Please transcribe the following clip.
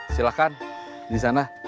silahkan di sana